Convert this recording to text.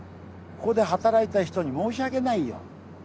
ここで働いた人に申し訳ないよ。